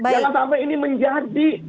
jangan sampai ini menjadi